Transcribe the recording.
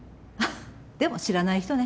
でも知らない人ね。